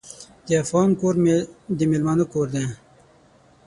د افغان کور د میلمانه کور دی.